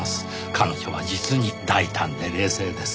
彼女は実に大胆で冷静です。